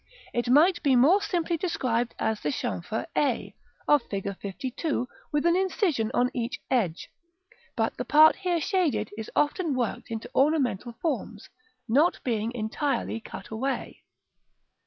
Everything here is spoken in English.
It might be more simply described as the chamfer a of Fig. LII., with an incision on each edge; but the part here shaded is often worked into ornamental forms, not being entirely cut away.